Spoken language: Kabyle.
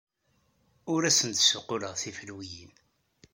Ur asen-d-ssuqquleɣ tifelwiyin.